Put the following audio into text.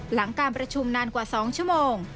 หลังการประชุมนานกว่า๒ชั่วโมง